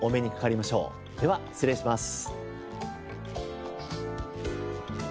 では失礼します。